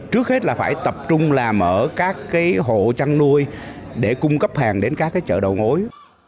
trước hết là phải tập trung làm ở các cái hộ trăn nuôi để cung cấp hàng đến các cái chợ đầu mối